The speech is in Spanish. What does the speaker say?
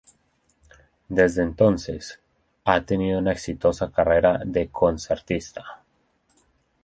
Desde entonces, ha tenido una exitosa carrera de concertista.